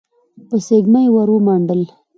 په سږمه يې ور ومنډل.